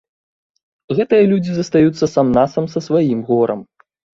Гэтыя людзі застаюцца сам-насам са сваім горам.